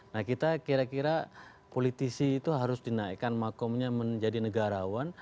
nah kita kira kira politisi itu harus dinaikkan makomnya menjadi negarawan